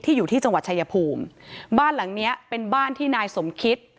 อยู่ที่จังหวัดชายภูมิบ้านหลังเนี้ยเป็นบ้านที่นายสมคิต